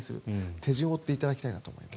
手順を追っていただきたいなと思います。